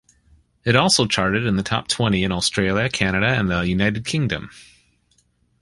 It also charted in the top twenty in Australia, Canada, and the United Kingdom.